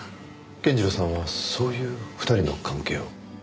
健次郎さんはそういう２人の関係を？